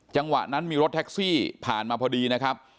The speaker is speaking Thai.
จังหวะนั้นมีรถแท็กซี่ผ่านมาพอดีนะครับ